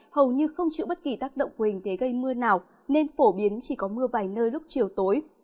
hầu như không chịu bất kỳ tác động của hình thế gây mưa nào nên phổ biến chỉ có mưa vài nơi lúc chiều tối